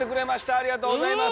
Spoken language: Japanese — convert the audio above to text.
ありがとうございます！